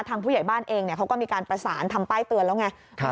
ผู้ใหญ่บ้านเองเขาก็มีการประสานทำป้ายเตือนแล้วไง